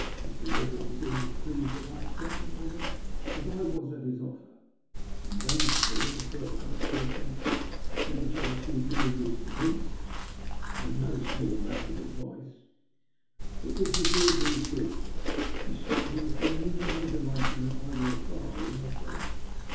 Mr. Mayboume seemed as pleased at my acceptance of it as I was at his offer ; and when, after a little further conversation — in which I received many useful hints and no small amount of advice — it was revealed to his daughter, she struck me as being even more delighted than either her father or myself.